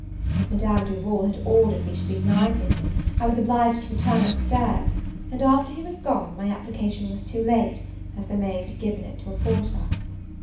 As Madame Duval had ordered we should be denied to him, I was obliged to return up stairs; and after he was gone, my application was too late, as the maid had given it to a porter.